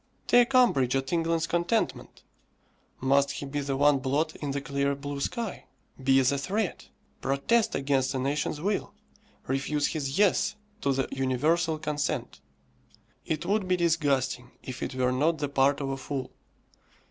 Take umbrage at England's contentment! Must he be the one blot in the clear blue sky! Be as a threat! Protest against a nation's will! refuse his Yes to the universal consent! It would be disgusting, if it were not the part of a fool.